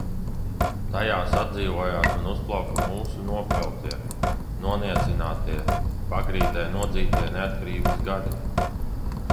Tajās atdzīvojās un uzplauka mūsu nopeltie, noniecinātie, pagrīdē nodzītie neatkarības gadi.